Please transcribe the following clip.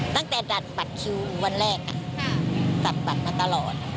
ตั้งแต่ดัดบัตรคิววันแรกตัดบัตรมาตลอด